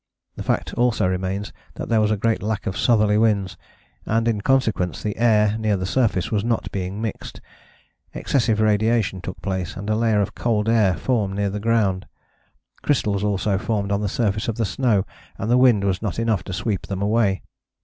The fact also remains that there was a great lack of southerly winds, and in consequence the air near the surface was not being mixed: excessive radiation took place, and a layer of cold air formed near the ground. Crystals also formed on the surface of the snow and the wind was not enough to sweep them away.